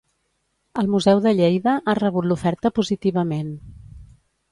El Museu de Lleida ha rebut l'oferta positivament.